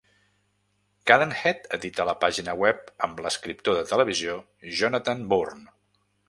Cadenhead edita la pàgina web amb l'escriptor de televisió Jonathan Bourne.